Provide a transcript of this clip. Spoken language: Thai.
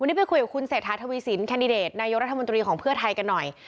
วันนี้ไปคุยกับคุณเศรษฐาทวีสินแคนดิเดตนายกรัฐมนตรีของเพื่อไทยกันหน่อย